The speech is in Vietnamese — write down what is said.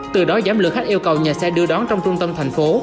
từ đó giám lược khách yêu cầu nhà xe đưa đón trong trung tâm thành phố